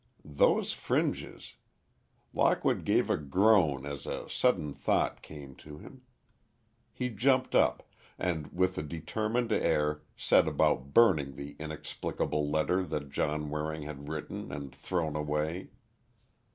Those fringes! Lockwood gave a groan as a sudden thought came to him. He jumped up, and with a determined air, set about burning the inexplicable letter that John Waring had written and thrown away.